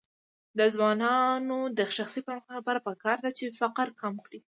د ځوانانو د شخصي پرمختګ لپاره پکار ده چې فقر کم کړي.